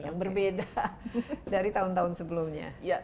yang berbeda dari tahun tahun sebelumnya